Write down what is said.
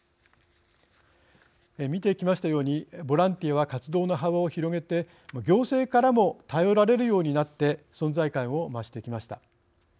見てきましたようにボランティアは活動の幅を広げて行政からも頼られるようになって存在感を増してきました。